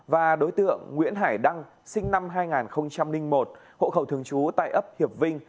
và đối tượng nguyễn hải đăng sinh năm hai nghìn một hộ khẩu thường trú tại ấp hiệp vinh